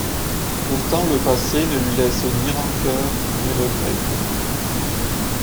Pourtant le passé ne lui laisse ni rancœur, ni regret.